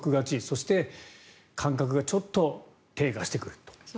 そして感覚がちょっと低下してくると。